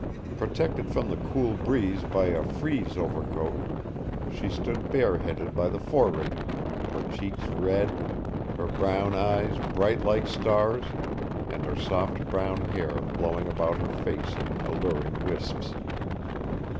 Protected from the cool breeze by a frieze overcoat, she stood bareheaded by the forerigging, her cheeks red, her brown eyes bright like stars, and her soft brown hair blowing about her face in alluring wisps.